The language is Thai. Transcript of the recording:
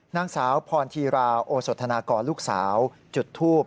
นางสาวพรธีราโอสธนากรลูกสาวจุดทูบ